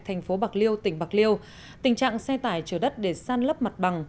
thành phố bạc liêu tỉnh bạc liêu tình trạng xe tải chở đất để san lấp mặt bằng